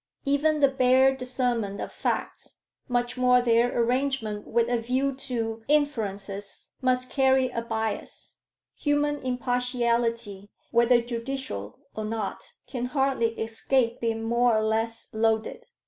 Even the bare discernment of facts, much more their arrangement with a view to inferences, must carry a bias: human impartiality, whether judicial or not, can hardly escape being more or less loaded.